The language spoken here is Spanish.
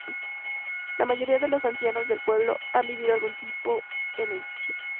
La mayoría de los ancianos del pueblo han vivido algún tiempo en una choza.